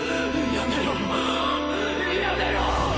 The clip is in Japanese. やめろやめろ！